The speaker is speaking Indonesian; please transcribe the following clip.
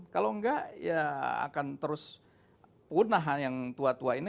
kalau enggak ya akan terus punah yang tua tua ini